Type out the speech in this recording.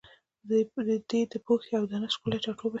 دی د پوهي او دانش ښکلی ټاټوبی